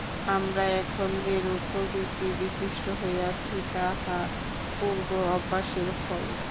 আমরা এখন যেরূপ প্রকৃতিবিশিষ্ট হইয়াছি, তাহা পূর্ব অভ্যাসের ফল।